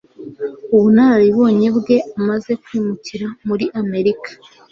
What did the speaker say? ubunararibonye bwe amaze kwimukira muri Amerika.